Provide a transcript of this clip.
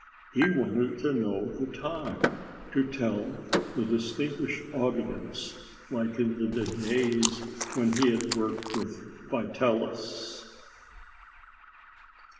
He wanted to know the time to tell the "distinguished audience," like in the days when he had worked with Vitalis.